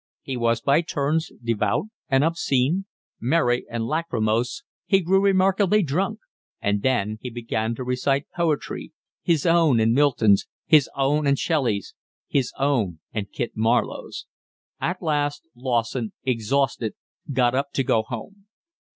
He was by turns devout and obscene, merry and lachrymose. He grew remarkably drunk, and then he began to recite poetry, his own and Milton's, his own and Shelley's, his own and Kit Marlowe's. At last Lawson, exhausted, got up to go home.